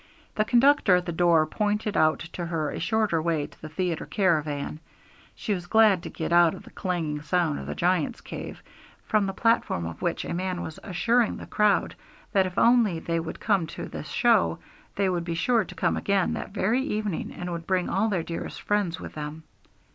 The conductor at the door pointed out to her a shorter way to the theatre caravan. She was glad to get out of the clanging sound of the Giant's Cave, from the platform of which a man was assuring the crowd that if only they would come to this show, they would be sure to come again that very evening, and would bring all their dearest friends with them.